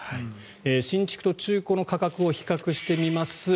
新築と中古の価格を比較してみます。